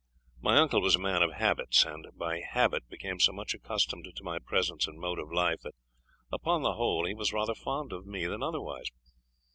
My uncle was a man of habits, and by habit became so much accustomed to my presence and mode of life, that, upon the whole, he was rather fond of me than otherwise.